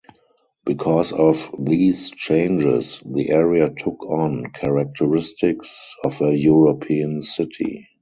Because of these changes the area took on characteristics of a European city.